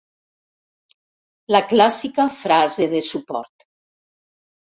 La clàssica frase de suport.